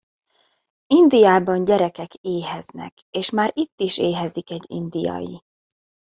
Indiában gyerekek éheznek, és már itt is éhezik egy indiai!